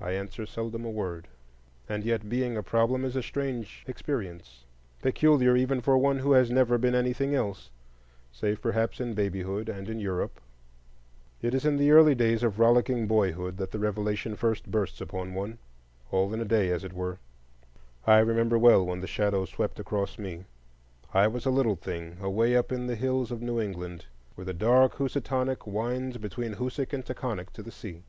I answer seldom a word. And yet, being a problem is a strange experience,—peculiar even for one who has never been anything else, save perhaps in babyhood and in Europe. It is in the early days of rollicking boyhood that the revelation first bursts upon one, all in a day, as it were. I remember well when the shadow swept across me. I was a little thing, away up in the hills of New England, where the dark Housatonic winds between Hoosac and Taghkanic to the sea.